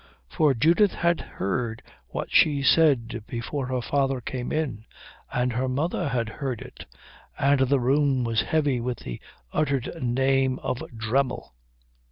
For Judith had heard what she said before her father came in, and her mother had heard it, and the room was heavy with the uttered name of Dremmel.